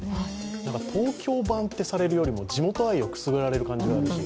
東京版とされるよりも地元愛をくすぐられる感じがあるし